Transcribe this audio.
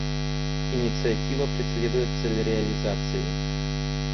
Инициатива преследует цель реализации.